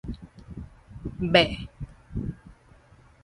欲